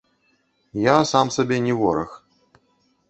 Я сам сабе не вораг.